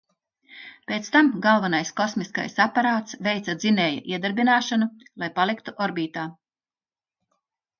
Pēc tam galvenais kosmiskais aparāts veica dzinēja iedarbināšanu, lai paliktu orbītā.